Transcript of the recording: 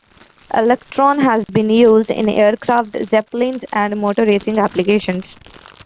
Elektron has been used in aircraft, Zeppelins, and motor racing applications.